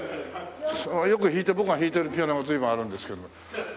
よく弾いて僕が弾いてるピアノが随分あるんですけど。